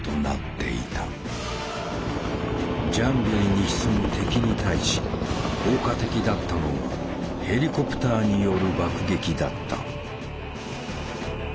ジャングルに潜む敵に対し効果的だったのがヘリコプターによる爆撃だった。